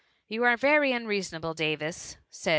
You are very unreasonable, Davis," said